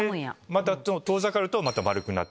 また遠ざかると丸くなって。